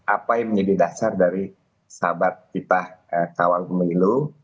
apa yang menjadi dasar dari sahabat kita kawal pemilu